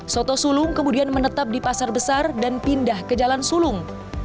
soto sulung kemudian menetap di pasar besar dan pindah ke jalan sulung